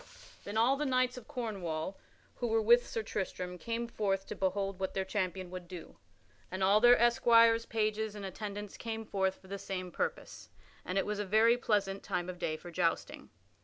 Then all the knights of Cornwall who were with Sir Tristram came forth to behold what their champion would do, and all their esquires, pages, and attendants came forth for the same purpose, and it was a very pleasant time of day for jousting.